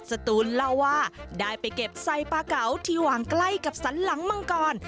สตูนเล่าว่าได้ไปเก็บใส่ปลาเก๋าที่วางใกล้กับสันหลังมังกร